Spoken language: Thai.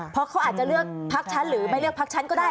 เพราะเขาอาจจะเลือกพักฉันหรือไม่เลือกพักฉันก็ได้